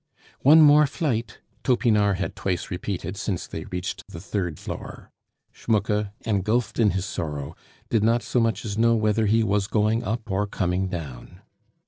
"One more flight!" Topinard had twice repeated since they reached the third floor. Schmucke, engulfed in his sorrow, did not so much as know whether he was going up or coming down.